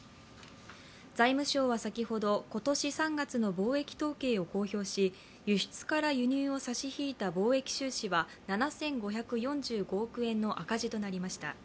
財務省は先ほど今年３月の貿易統計を公表し輸出から輸入を差し引いた貿易収支は７５４５億円の赤字となりました。